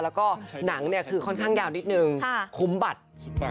แล้วก็หนังเนี่ยคือค่อนข้างยาวนิดนึงคุ้มบัตร